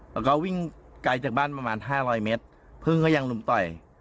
แล้วก็วิ่งไกลจากบ้านประมาณ๕๐๐เมตรพึ่งก็ยังลุมต่อย